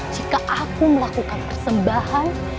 jika aku melakukan persembahan